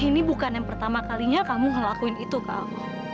ini bukan yang pertama kalinya kamu ngelakuin itu ke aku